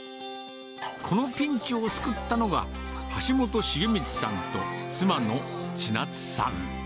このピンチを救ったのが、橋本重光さんと妻の千夏さん。